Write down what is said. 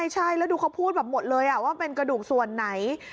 ใช่แล้วดูเขาพูดแบบหมดเลยว่าเป็นกระดูกส่วนไหน